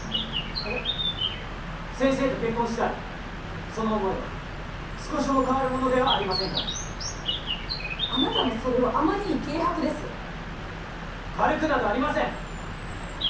はやっ先生と結婚したいその思いは少しも変わるものではありませんからあなたのそれはあまりに軽薄です軽くなどありません